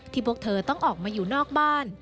พวกเธอต้องออกมาอยู่นอกบ้าน